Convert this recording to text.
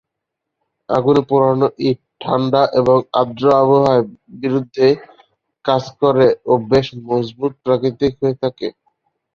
আগুনে পোড়ানো ইট ঠাণ্ডা এবং আর্দ্র আবহাওয়ার বিরুদ্ধে কাজ করে ও বেশ মজবুত প্রকৃতির হয়ে থাকে।